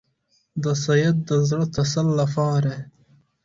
د سید د زړه تسل لپاره.